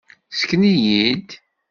Sken-iyi-d!